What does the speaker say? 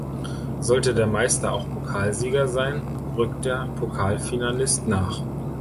Sollte der Meister auch Pokalsieger sein, rückt der Pokalfinalist nach.